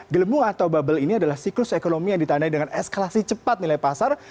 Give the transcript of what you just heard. gelembung atau bubble ini adalah siklus ekonomi yang ditandai dengan eskalasi cepat nilai pasar